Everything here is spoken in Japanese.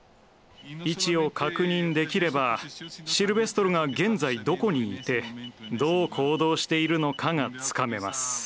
位置を確認できればシルベストルが現在どこにいてどう行動しているのかがつかめます。